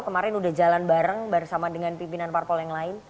kemarin udah jalan bareng bersama dengan pimpinan parpol yang lain